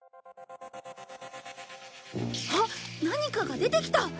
あっ何かが出てきた。